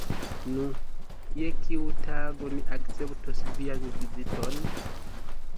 Nu, je kiu tago ni akceptos vian viziton?